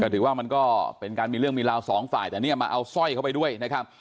แต่ถือว่ามันก็เป็นการมีเรื่องมีราวสองฝ่ายแต่เนี่ยมาเอาสร้อยเข้าไปด้วยนะครับ